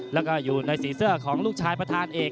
แล้วก็อยู่ในสีเสื้อของลูกชายประธานเอก